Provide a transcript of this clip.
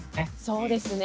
そうですね。